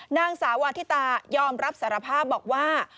นางสาวาธิตายอมรับสารภาพบอกว่า